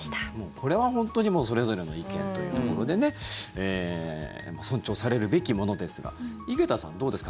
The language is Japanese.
これは本当にもうそれぞれの意見というところでね尊重されるべきものですが井桁さん、どうですか？